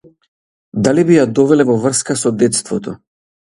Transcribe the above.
Дали би ја довеле во врска со детството?